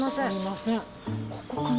ここかな？